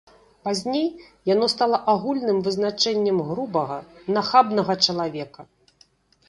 Пазней яно стала агульным вызначэннем грубага, нахабнага чалавека.